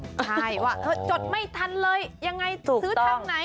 ใช่ว่าจดไม่ทันเลยยังไงซื้อทางไหน